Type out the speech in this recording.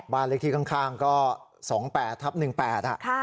บ้านเลขที่ข้างก็๒๘ทับ๑๘